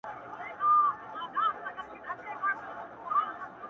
په دوو روحونو، يو وجود کي شر نه دی په کار.